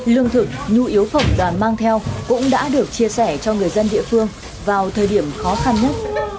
lương thực nhu yếu phẩm đoàn mang theo cũng đã được chia sẻ cho người dân địa phương vào thời điểm khó khăn nhất